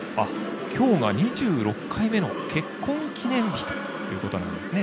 今日が２６回目の結婚記念日ということなんですね。